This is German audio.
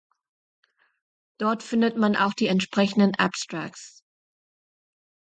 Dort findet man auch die entsprechenden Abstracts